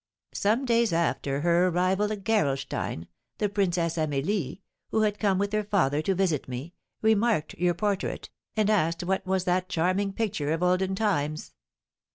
"Some days after her arrival at Gerolstein, the Princess Amelie, who had come with her father to visit me, remarked your portrait, and asked what was that charming picture of olden times.